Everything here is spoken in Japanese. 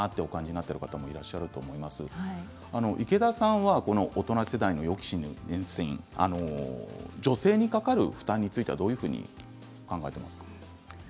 池田さんはこの大人世代の予期せぬ妊娠女性にかかる負担についてはどういうふうに思いますか？